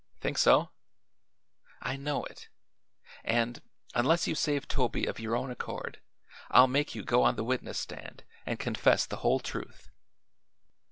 "Think so?" "I know it. And, unless you save Toby of your own accord, I'll make you go on the witness stand and confess the whole truth."